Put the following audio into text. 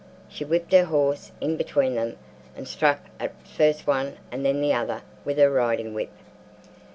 She whipped her horse in between them and struck at first one and then the other with her riding whip.